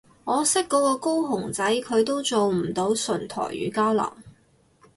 我識嗰個高雄仔佢都做唔到純台語交流